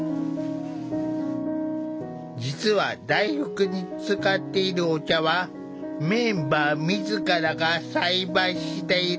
実は大福に使っているお茶はメンバー自らが栽培している。